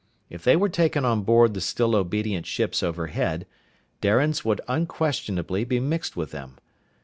If they were taken on board the still obedient ships overhead, Darians would unquestionably be mixed with them.